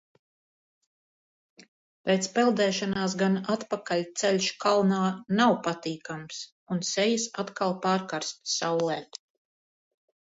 Pēc peldēšanās gan atpakaļceļš kalnā nav patīkams, un sejas atkal pārkarst saulē.